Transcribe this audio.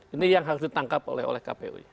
ini yang harus ditangkap oleh kpu